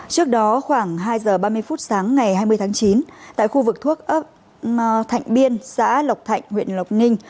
trước đó khoảng hai giờ ba mươi phút sáng ngày hai mươi tháng chín tại khu vực thuốc thạnh biên xã lộc thạnh huyện lộc ninh